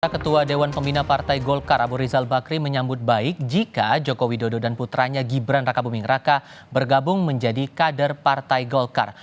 ketua dewan pembina partai golkar abu rizal bakri menyambut baik jika joko widodo dan putranya gibran raka buming raka bergabung menjadi kader partai golkar